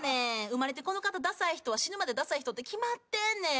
生まれてこの方ダサい人は死ぬまでダサい人って決まってんねん。